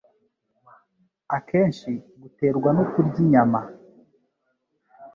akenshi guterwa no kurya inyama,